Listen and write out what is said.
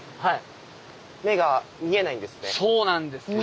目が見えないんですね。